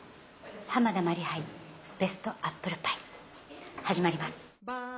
「濱田マリ杯ベストアップルパイ」始まります。